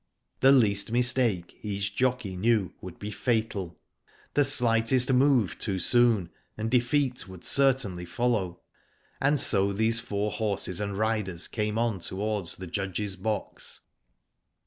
The least mistake each jockey knew would be fatal. The slightest move too soon, and defeat would certainly follow. And so these four horses and riders came on towards the judge^s box.